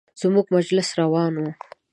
زموږ مجلس روان و.